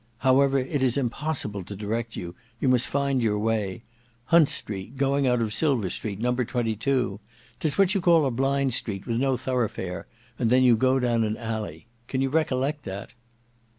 However it is impossible to direct you; you must find your way. Hunt Street, going out of Silver Street, No. 22. 'Tis what you call a blind street, with no thoroughfare, and then you go down an alley. Can you recollect that?"